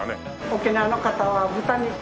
沖縄の方は豚肉で。